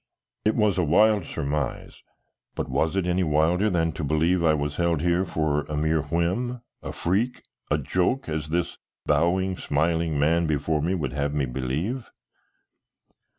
It was a wild surmise, but was it any wilder than to believe I was held here for a mere whim, a freak, a joke, as this bowing, smiling man before me would have me believe?